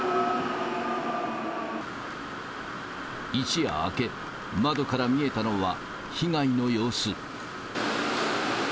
一夜明け、窓から見えたのは、被害の様子。